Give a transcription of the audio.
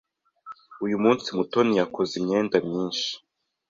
Uyu munsi, Mutoni yakoze imyenda myinshi.